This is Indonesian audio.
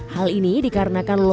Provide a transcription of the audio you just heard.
hal ini dikarenakan lomba berlaku